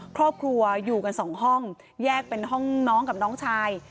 ครอบครัวอยู่กันสองห้องแยกเป็นห้องน้องกับน้องชาย